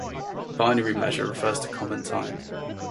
Binary measure refers to common time.